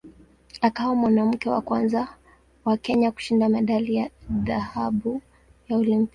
Akawa mwanamke wa kwanza wa Kenya kushinda medali ya dhahabu ya Olimpiki.